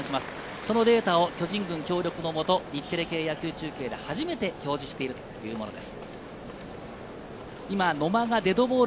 そのデータを巨人軍協力の下、日テレ野球中継史上、初めて中継しているということです。